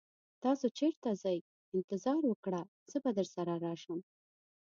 تاسو چیرته ځئ؟ انتظار وکړه، زه به درسره راشم.